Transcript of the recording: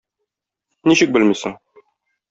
Ничек белмисең?